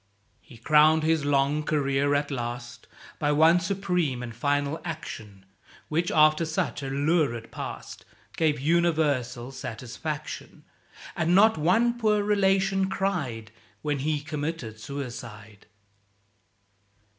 "[A]) He crowned his long career at last By one supreme and final action, Which, after such a lurid past, Gave universal satisfaction; And not one poor relation cried When he committed suicide.